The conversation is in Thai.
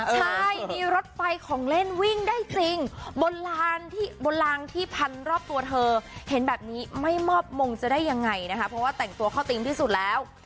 ใช่มีรถไฟของเล่นวิ่งได้จริงบนรางที่พันรอบตัวเธอเห็นแบบนี้ไม่มอบมงจะได้ยังไงนะคะเพราะว่าแต่งตัวเข้าธีมที่สุดแล้ว